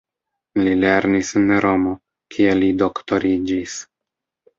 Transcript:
Li lernis en Romo, kie li doktoriĝis.